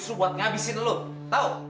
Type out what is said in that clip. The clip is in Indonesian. su buat ngabisin lo tau